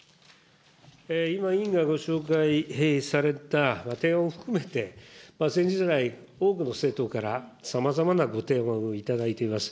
今委員がご紹介された、提案を含めて、先日来、多くの政党からさまざまなご提案を頂いています。